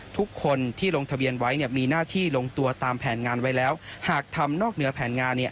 ทุกคนที่ลงทะเบียนไว้เนี่ยมีหน้าที่ลงตัวตามแผนงานไว้แล้วหากทำนอกเหนือแผนงานเนี่ย